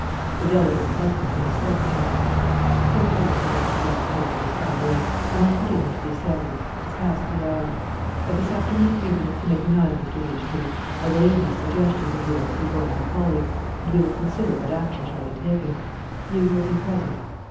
The delegate beckoned to his secretary. "Go through Mr. Beechtree's papers, Alvarez. I must be getting to the Assembly. It is past the hour.... At this afternoon's meeting of Committee 9, Mr. Beechtree, I will lay these suggestions of yours before my colleagues, and we will consider what action shall be taken. You will be present.